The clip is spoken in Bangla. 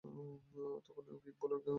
তখনই ও গিক বনে গিয়ে ওটা খেয়ে ফেলবে।